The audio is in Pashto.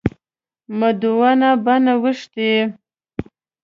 مدونه بڼه وښتي.